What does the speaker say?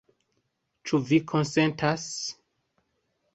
Ĉu vi konsentas?